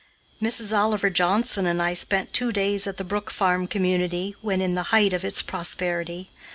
Mrs. Oliver Johnson and I spent two days at the Brook Farm Community when in the height of its prosperity.